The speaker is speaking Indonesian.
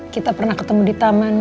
kita pernah ketemu di taman